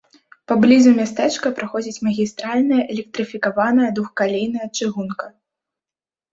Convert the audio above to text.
Паблізу мястэчка праходзіць магістральная электрыфікаваная двухкалейная чыгунка.